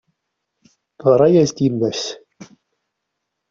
Teɣra-as-d yemma-s.